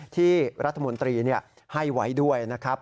ที่รัฐมนตรีให้ไว้ด้วยนะครับ